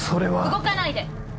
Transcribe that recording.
動かないで！